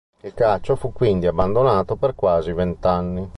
Il calcio fu quindi abbandonato per quasi vent'anni.